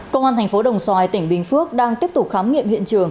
công an tp hcm tỉnh bình phước đang tiếp tục khám nghiệm hiện trường